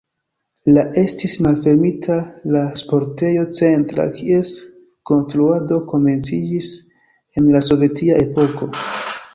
La estis malfermita la sportejo Centra, kies konstruado komenciĝis en la sovetia epoko.